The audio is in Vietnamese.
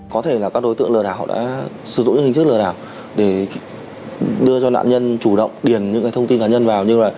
có thể là các đối tượng lừa đảo đã sử dụng những hình thức lừa đảo để đưa cho nạn nhân chủ động điền những thông tin cá nhân vào như là